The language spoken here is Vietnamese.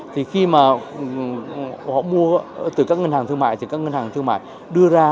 thì khi mà họ mua từ các ngân hàng thương mại thì các ngân hàng thương mại đưa ra